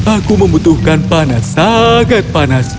aku membutuhkan panas sangat panas